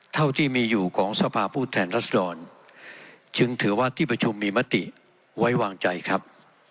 เท่าที่มีอยู่ของสภาพผู้แทนรัศดรจึงถือว่าที่ประชุมมีมติไว้วางใจครับ